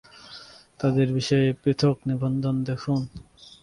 তাদের বিষয়ে পৃথক নিবন্ধে দেখুন।